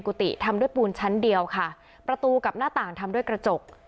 กติทำด้วยปูนชั้นเดียวค่ะประตูกับหน้าต่างทำด้วยกระจก